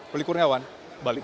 perlih kurniawan balik